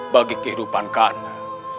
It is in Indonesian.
bagi kehidupan kakanda